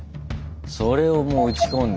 それをもう打ち込んで。